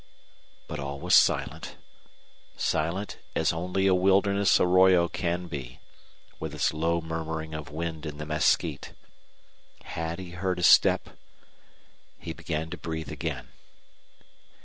But all was silent silent as only a wilderness arroyo can be, with its low murmuring of wind in the mesquite. Had he heard a step? He began to breathe again.